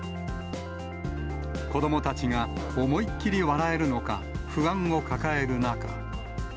子どもたちが思いっ切り笑えるのか、不安を抱える中。